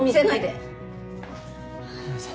すみません。